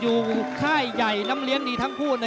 อยู่ค่ายใหญ่น้ำเลี้ยงดีทั้งคู่